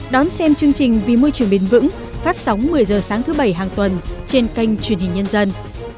đón xem chương trình vì môi trường bền vững phát sóng một mươi h sáng thứ bảy hàng tuần trên kênh truyền hình nhân dân